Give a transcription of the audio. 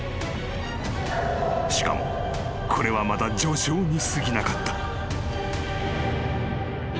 ［しかもこれはまだ序章にすぎなかった］